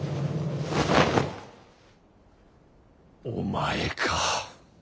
お前か。